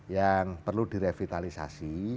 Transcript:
yang perlu direvitalisasi